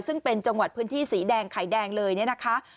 ซึ่งเป็นจังหวัดพื้นที่สีแดงไข่แดงเลยเนี่ยนะคะ